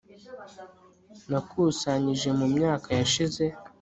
nakusanyije mu myaka yashize